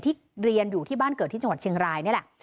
เรียนอยู่ที่บ้านเกิดที่จังหวัดเชียงรายนี่แหละ